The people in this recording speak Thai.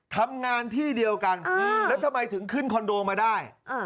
ทำงานที่เดียวกันแล้วทำไมถึงขึ้นคอนโดมาได้